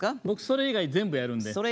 僕それ以外全部やるんで。